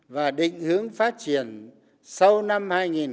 và định hướng phát triển sau năm hai nghìn hai mươi năm